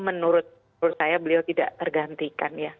menurut saya beliau tidak tergantikan ya